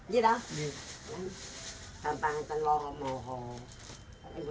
kita harus berbicara